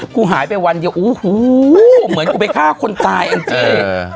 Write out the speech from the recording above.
กูหายไปวันเดียวโอ้โหเหมือนกูไปฆ่าคนตายแองจี้